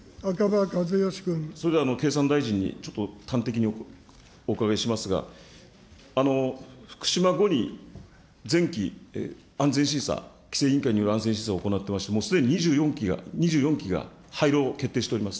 それでは経産大臣に、ちょっと端的にお伺いしますが、福島後に前期安全審査、規制委員会による安全審査を行ってまして、すでに２４基が、２４基が廃炉を決定しております。